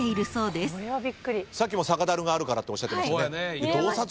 さっきも「酒だるがあるから」っておっしゃってましたよね。